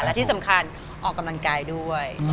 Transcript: และที่สำคัญออกกำลังกายด้วย